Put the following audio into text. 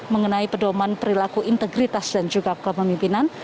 mengenai pedoman perilaku integritas dan juga kepemimpinan